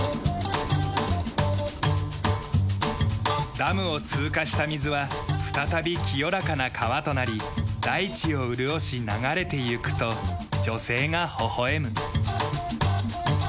ダムを通過した水は再び清らかな川となり大地を潤し流れていくと女性がほほ笑む。